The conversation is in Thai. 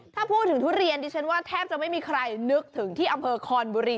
ถ้าพูดถึงทุเรียนดิฉันว่าแทบจะไม่มีใครนึกถึงที่อำเภอคอนบุรี